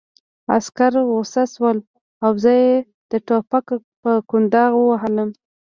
عسکر غوسه شول او زه یې د ټوپک په کونداغ ووهلم